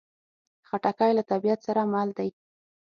خټکی له طبیعت سره مل دی.